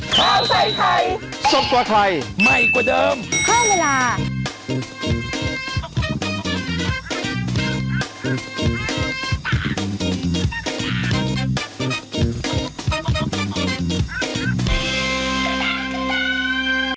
คุณทักษิณบินมาปุ๊บแล้วสิทธิ์ของผู้ต้องอยู่ระหว่างการรับโทษแล้วแต่มีเงื่อนไขคือต้องอยู่ระหว่างการรับโทษอืมแล้วก็อยู่ในการคุมขังเนี้ยระยะเวลาเท่าไร